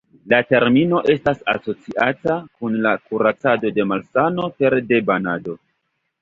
La termino estas asociata kun la kuracado de malsano pere de banado.